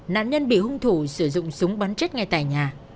nạn nhân bị hung thủ sử dụng súng bắn chết ngay tại nhà